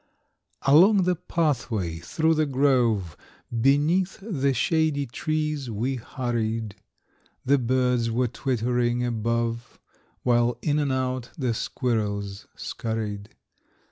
Along the pathway, through the grove, Beneath the shady trees, we hurried. The birds were twittering above, While in and out the squirrels scurried.